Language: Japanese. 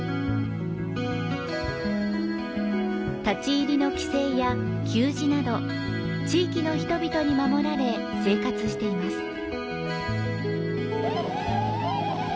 立ち入りの規制や給餌など、地域の人々に守られ生活しています。